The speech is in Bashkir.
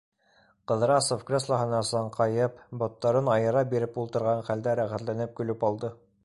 - Ҡыҙрасов креслоһына саңҡайып, боттарын айыра биреп ултырған хәлдә рәхәтләнеп көлөп алды.